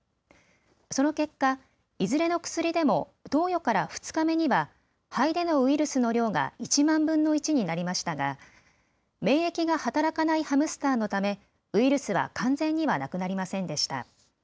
その結果、いずれの薬でも投与から２日目には肺でのウイルスの量が１万分の１になりましたが、免疫が働かないハムスターのためウイルスは完全にはなくなりませんでした。